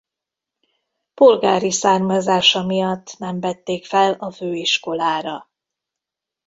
Polgári származása miatt nem vették fel a főiskolára.